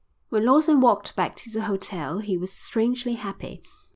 When Lawson walked back to the hotel he was strangely happy.